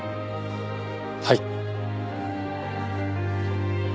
はい。